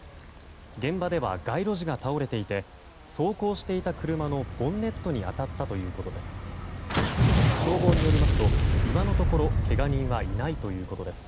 現場では街路樹が倒れていて走行していた車のボンネットに当たったということです。